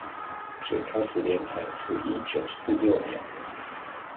最開始連載是一九四六年